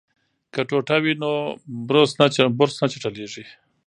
که ټوټه وي نو برس نه چټلیږي.